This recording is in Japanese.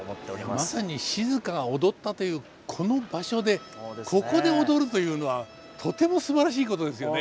まさに静が踊ったというこの場所でここで踊るというのはとてもすばらしいことですよね。